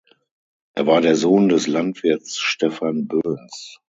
Er war der Sohn des Landwirts Stephan Böns.